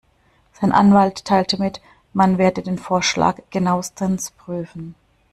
Sein Anwalt teilte mit, man werde den Vorschlag genauestens prüfen.